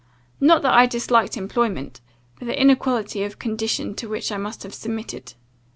Not that I disliked employment, but the inequality of condition to which I must have submitted.